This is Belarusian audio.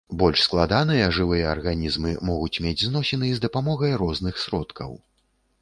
Больш складаныя жывыя арганізмы могуць мець зносіны з дапамогай розных сродкаў.